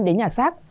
đến nhà xác